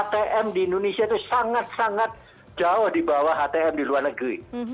htm di indonesia itu sangat sangat jauh dibawah htm di luar negeri